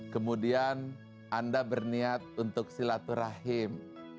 kemudian anda berniat untuk silaturahim